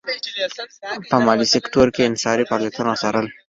په مالي سکتور کې یې انحصاري فعالیتونه څارل.